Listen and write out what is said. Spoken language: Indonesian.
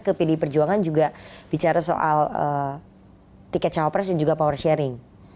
ke pdi perjuangan juga bicara soal tiket cawapres dan juga power sharing